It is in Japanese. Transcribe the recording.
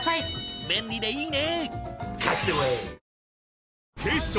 便利でいいね！